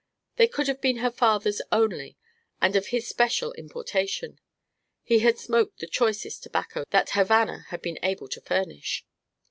They could have been her father's only and of his special importation: he had smoked the choicest tobacco that Havana had been able to furnish.